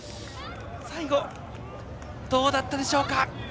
最後、どうだったでしょうか。